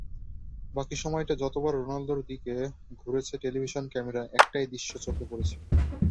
বাকি সময়টা যতবার রোনালদোর দিকে ঘুরেছে টেলিভিশন ক্যামেরা, একটাই দৃশ্য চোখে পড়েছে।